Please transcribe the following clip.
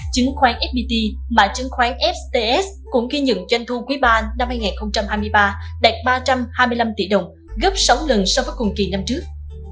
chứng khoán fpt mà chứng khoán fts cũng ghi nhận doanh thu quý ba năm hai nghìn hai mươi ba đạt ba trăm hai mươi năm tỷ đồng gấp sáu lần so với cùng kỳ năm trước